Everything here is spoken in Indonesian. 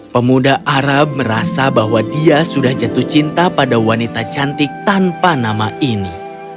pemuda arab merasa bahwa dia sudah jatuh cinta pada wanita cantik tanpa nama ini